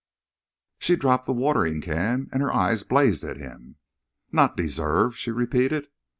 She dropped the watering can and her eyes blazed at him. "Not deserve?" she repeated.